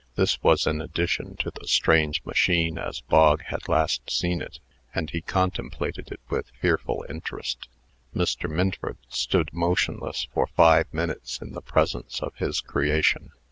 This was an addition to the strange machine as Bog had last seen it, and he contemplated it with fearful interest. Mr. Minford stood motionless for five minutes in the presence of his creation.